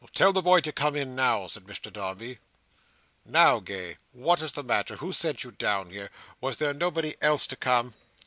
"Tell the boy to come in now," said Mr Dombey. "Now, Gay, what is the matter? Who sent you down here? Was there nobody else to come?"